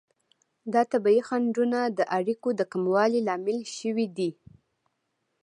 دا طبیعي خنډونه د اړیکو د کموالي لامل شوي دي.